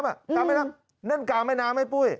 กลางแม่น้ำนั่นกลางแม่น้ำไหมปุ้ย